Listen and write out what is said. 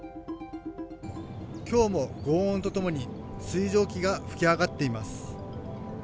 今日もごう音とともに水蒸気が噴き上がっています。